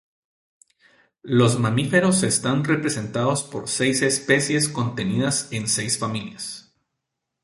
Los mamíferos están representados por seis especies contenidas en seis familias.